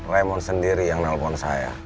raymond sendiri yang nelfon saya